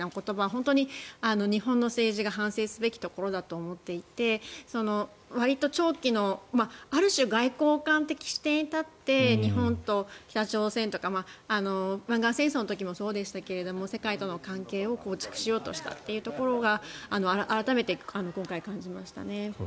本当に日本の政治が反省すべきところだと思っていてわりと長期のある種、外交官的視点に立って日本と北朝鮮とか湾岸戦争の時もそうでしたが世界との関係を構築しようとしたというところが改めて今回、感じましたね。